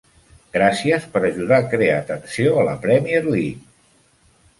Gràcies per ajudar a crear tensió a la Premier League!